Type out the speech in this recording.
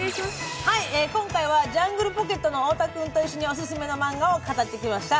今回はジャングルポケットの太田君と一緒にオススメのマンガを語ってきました。